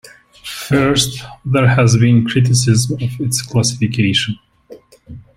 First, there has been criticism of its classification.